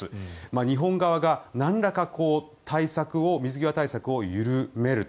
日本側がなんらか水際対策を緩めると。